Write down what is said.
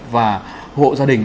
và hộ gia đình